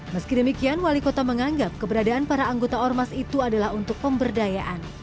meski demikian wali kota menganggap keberadaan para anggota ormas itu adalah untuk pemberdayaan